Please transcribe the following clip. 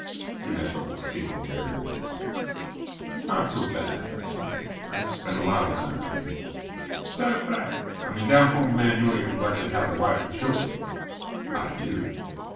He meant the whole Skid Row area. "It's not so bad," I said. "I spend a lot of time here." "Is that a fact? I mean, down home a man your age would likely have a wife and children." "I do.